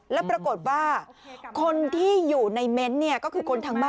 กลับมาแล้วแตงโม